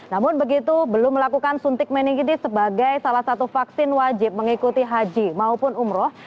namun begitu belum melakukan suntik meningitis sebagai salah satu vaksin wajib mengikuti haji maupun umroh